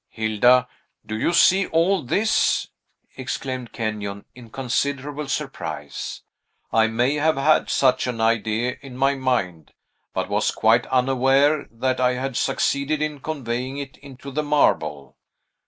"Hilda, do you see all this?" exclaimed Kenyon, in considerable surprise. "I may have had such an idea in my mind, but was quite unaware that I had succeeded in conveying it into the marble."